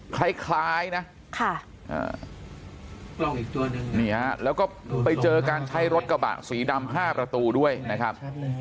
คล้ายนะนี่ฮะแล้วก็ไปเจอการใช้รถกระบะสีดำ๕ประตูด้วยนะครับ